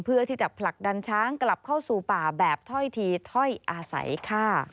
เพื่อที่จะผลักดันช้างกลับเข้าสู่ป่าแบบถ้อยทีถ้อยอาศัยค่ะ